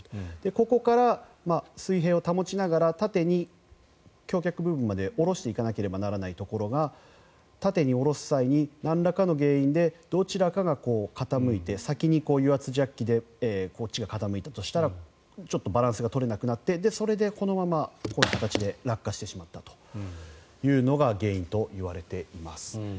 ここから水平を保ちながら縦に橋脚部分で下ろしていかなければならないところが縦に下ろす際になんらかの原因でどちらかが傾いて先に油圧ジャッキでこっちが傾いたとしたらちょっとバランスが取れなくなってそれでこのままこういう形で落下してしまったのが原因と言われています。